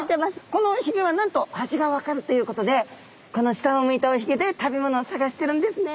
このおひげはなんと味が分かるということでこの下を向いたおひげで食べ物を探してるんですね。